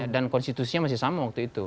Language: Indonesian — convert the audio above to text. dan konstitusinya masih sama waktu itu